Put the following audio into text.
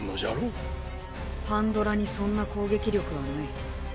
「因果乱流」にそんな攻撃力はない。